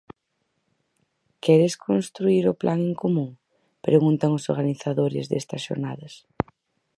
"Queres construír o Plan en común?", preguntan os organizadores destas xornadas.